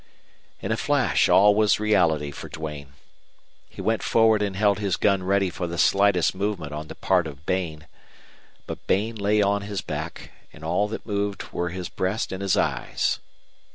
In a flash all was reality for Duane. He went forward and held his gun ready for the slightest movement on the part of Bain. But Bain lay upon his back, and all that moved were his breast and his eyes.